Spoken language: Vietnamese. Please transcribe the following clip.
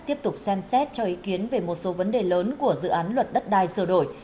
tiếp tục xem xét cho ý kiến về một số vấn đề lớn của dự án luật đất đai sửa đổi